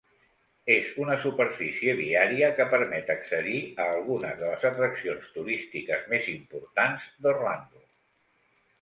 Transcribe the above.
És una superfície viària que permet accedir a algunes de les atraccions turístiques més importants d'Orlando.